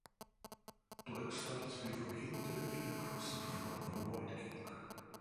Black starts with the king directly across from the white king.